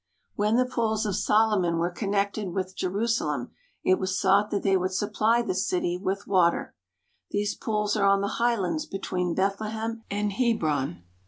When the pools of Solomon were connected with Je rusalem it was thought that they would supply the city with water. These pools are on the highlands between Bethlehem and Hebron.